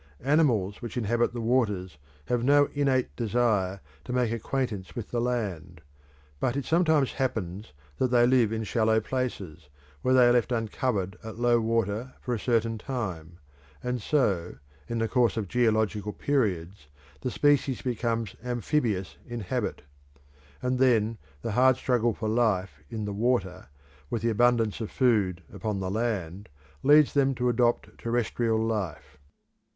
Animals which inhabit the waters have no innate desire to make acquaintance with the land; but it sometimes happens that they live in shallow places, where they are left uncovered at low water for a certain time, and so in the course of geological periods the species becomes amphibious in habit; and then the hard struggle for life in the water, with the abundance of food upon the land, leads them to adopt terrestrial life.